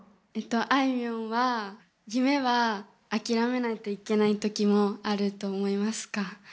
あいみょんは夢は諦めないといけないときもあると思いますか？